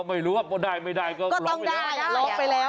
ไม่รู้อ่ะได้ไม่ได้ก็ล้อไปแล้ว